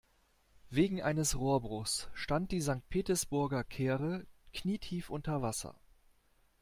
Wegen eines Rohrbruchs stand die Sankt-Petersburger Kehre knietief unter Wasser.